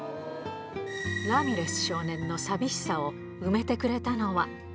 ラミレス少年の寂しさを埋めてくれたのは。